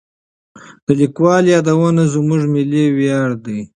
د لیکوالو یادونه زموږ ملي ویاړ دی.